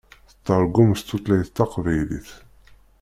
Tettargum s tutlayt taqbaylit.